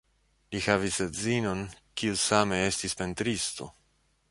Li havis edzinon, kiu same estis pentristo.